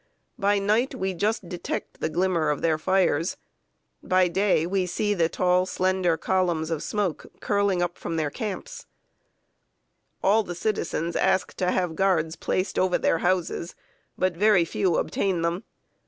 By night we just detect the glimmer of their fires; by day we see the tall, slender columns of smoke curling up from their camps. [Sidenote: A DISAPPOINTED VIRGINIAN.] All the citizens ask to have guards placed over their houses; but very few obtain them.